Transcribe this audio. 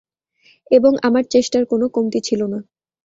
এবং আমার চেষ্টার কোন কমতি ছিলো না।